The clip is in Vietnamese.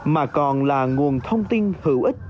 mà còn là nguồn thông tin hữu ích